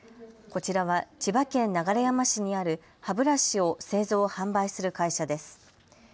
こちらは千葉県流山市にある歯ブラシを製造・販売する会社です。